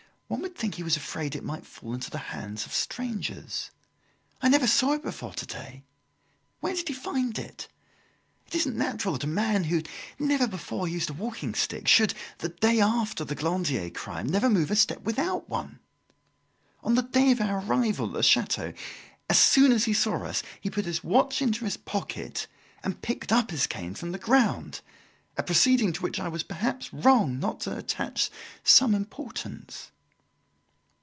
One would think he was afraid it might fall into the hands of strangers. I never saw it before to day. Where did he find it? It isn't natural that a man who had never before used a walking stick should, the day after the Glandier crime, never move a step without one. On the day of our arrival at the chateau, as soon as he saw us, he put his watch in his pocket and picked up his cane from the ground a proceeding to which I was perhaps wrong not to attach some importance."